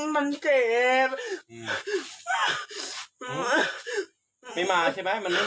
มันไม่มาใช่มั้ย